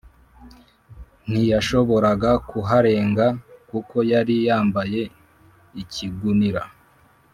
ntiyashoboraga kuharenga kuko yari yambaye ikigunira.